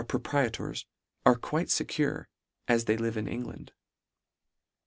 113 prietors are quite fecure, as they live in England.